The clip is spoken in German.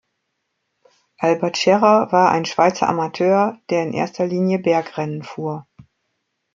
Albert Scherrer war ein Schweizer Amateur, der in erster Linie Bergrennen fuhr.